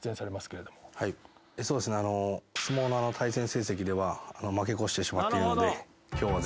相撲の対戦成績では負け越してしまっているので今日は。